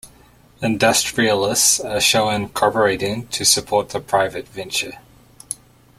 Industrialists are shown cooperating to support the private venture.